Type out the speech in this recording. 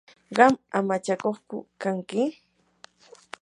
¿qam amachakuqku kanki?